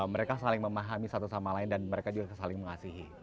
mereka saling memahami satu sama lain dan mereka juga saling mengasihi